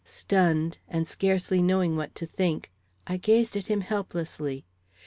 Stunned, and scarcely knowing what to think, I gazed at him helplessly.